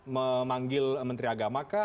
memanggil menteri agamakah